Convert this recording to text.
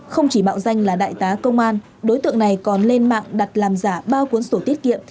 không chỉ mạo danh là đại tá công an đối tượng này còn lên mạng đặt làm giả ba cuốn sổ tiết kiệm